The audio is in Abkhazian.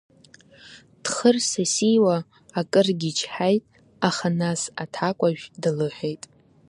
Дхырсасиуа акыргьы ичҳаит, аха нас аҭакәажә длыҳәеит.